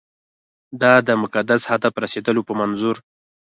دا د مقدس هدف رسېدلو په منظور.